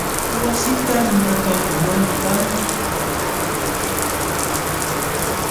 Wasita lulapaakunanpaq lumita aśhtapaakun.